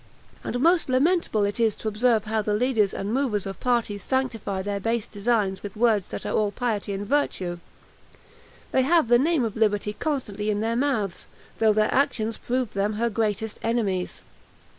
And most lamentable is it to observe how the leaders and movers of parties sanctify their base designs with words that are all piety and virtue; they have the name of liberty constantly in their mouths, though their actions prove them her greatest enemies.